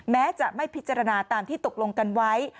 แม้จะไม่พิจารณาตามที่ตกลงกันไว้